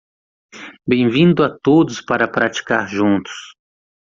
Bem-vindo a todos para praticar juntos